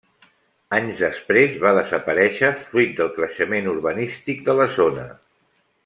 Anys després va desaparèixer fruit del creixement urbanístic de la zona.